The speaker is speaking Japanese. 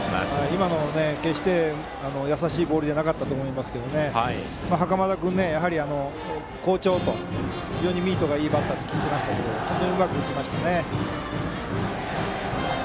今のも決してやさしいボールではなかったと思いますが袴田君、好調と非常にミートがいいバッターと聞いていましたけど本当にうまく打ちましたね。